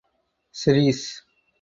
Sres.